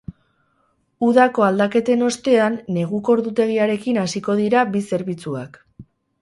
Udako aldaketen ostean, neguko ordutegiarekin hasiko dira bi zerbitzuak.